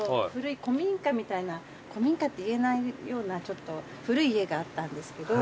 古民家みたいな古民家って言えないような古い家があったんですけど。